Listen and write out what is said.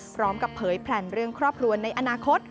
พร้อมกับเผยแผลนเรื่องครอบรวมในอนาคต